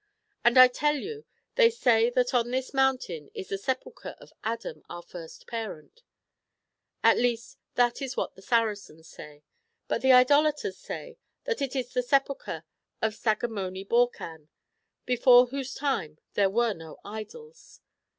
Vnd I fell nou tliey say Chap. XV. HISTORY OF SAGAMONI BORCAN. 257 that on this mountain is the sepulchre of Adam our first parent; at least that is what the Saracens say. But the Idolaters say that it is the sepulchre of Sagamoni Borcan, before whose time there were no idols.